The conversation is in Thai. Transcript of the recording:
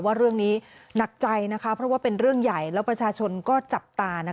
ว่าเรื่องนี้หนักใจนะคะเพราะว่าเป็นเรื่องใหญ่แล้วประชาชนก็จับตา